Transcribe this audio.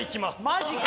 マジかよ！